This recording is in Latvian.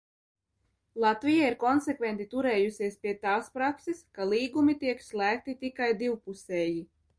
Latvija ir konsekventi turējusies pie tās prakses, ka līgumi tiek slēgti tikai divpusēji.